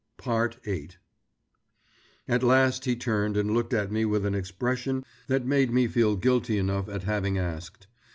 VIII At last he turned and looked at me with an expression that made me feel guilty enough at having asked.